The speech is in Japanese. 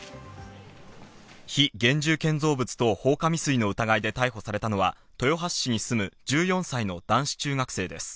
非現住建造物等放火未遂の疑いで逮捕されたのは豊橋市に住む１４歳の男子中学生です。